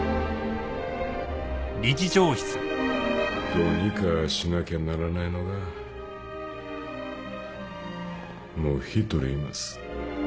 どうにかしなきゃならないのがもう一人います。